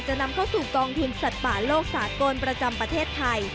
นำเข้าสู่กองทุนสัตว์ป่าโลกสากลประจำประเทศไทย